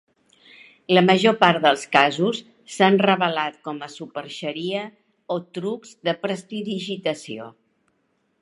La major part dels casos s'han revelat com a superxeria o trucs de prestidigitació.